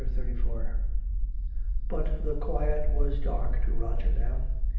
CHAPTER XXXIV But the quiet was dark to Roger now.